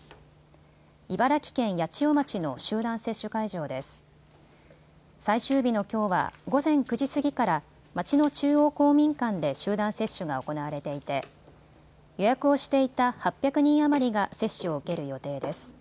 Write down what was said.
最終日のきょうは午前９時過ぎから町の中央公民館で集団接種が行われていて予約をしていた８００人余りが接種を受ける予定です。